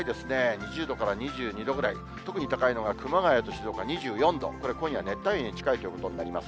２０度から２２度くらい、特に高いのが熊谷と静岡２４度、これ、今夜熱帯夜に近いということになります。